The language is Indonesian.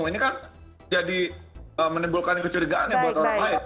ini kan jadi menimbulkan kecurigaannya buat orang lain